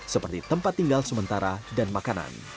seperti tempat tinggal sementara dan makanan